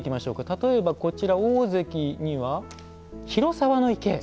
例えばこちら大関には広沢池。